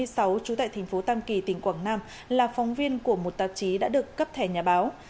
trú tại thành phố tam kỳ tỉnh quảng nam là phóng viên của một tạp chí đã được cấp thẻ nhà báo